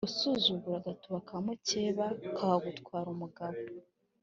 usuzugura agatuba ka mukeba kakagutwara umugabo.